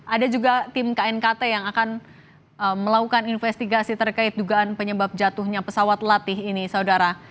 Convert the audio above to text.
ada juga tim knkt yang akan melakukan investigasi terkait dugaan penyebab jatuhnya pesawat latih ini saudara